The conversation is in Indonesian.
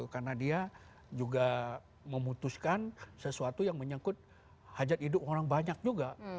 karena dia juga memutuskan sesuatu yang menyangkut hajat hidup orang banyak juga